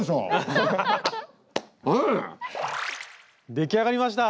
出来上がりました！